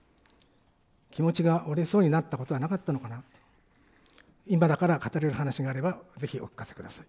気持ちが折れそうになったことはなかったなど、いまだから語れる話があればぜひお聞かせ下さい。